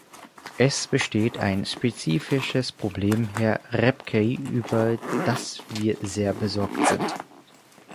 Es besteht ein spezifisches Problem, Herr Rapkay, über das wir sehr besorgt sind.